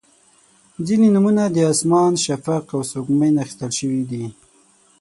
• ځینې نومونه د اسمان، شفق، او سپوږمۍ نه اخیستل شوي دي.